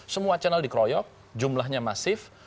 semua channel dikeroyok jumlahnya masif